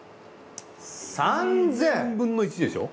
３，０００分の１でしょう？